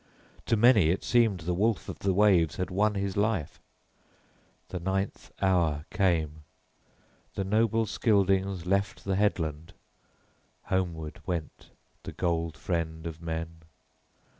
To many it seemed the wolf of the waves had won his life. The ninth hour came. The noble Scyldings left the headland; homeward went the gold friend of men.